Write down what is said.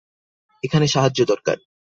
এখানে সাহায্য দরকার।